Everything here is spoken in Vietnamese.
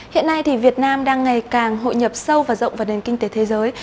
hiện nay thì việt nam đang ngày càng hội nhập sâu và rộng vào nền kinh tế thế giới